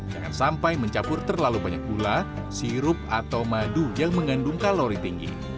jangan sampai mencampur terlalu banyak gula sirup atau madu yang mengandung kalori tinggi